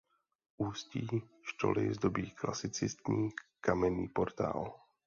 Ústí štoly zdobí klasicistní kamenný portál.